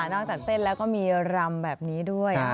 จากเต้นแล้วก็มีรำแบบนี้ด้วย